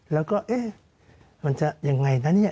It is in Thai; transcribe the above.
แล้วก็เอ๊ะมันจะอย่างไรนะนี่